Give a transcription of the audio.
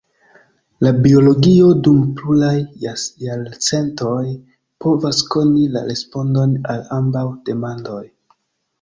La biologio dum pluraj jarcentoj provas koni la respondon al ambaŭ demandoj.